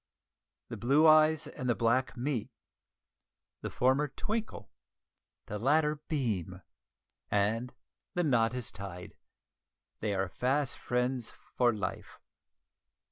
The blue eyes and the black meet; the former twinkle, the latter beam, and the knot is tied; they are fast friends for life!